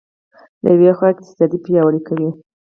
له یوې خوا اقتصاد پیاوړی کوي.